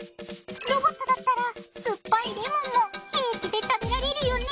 ロボットだったらすっぱいレモンも平気で食べられるよね？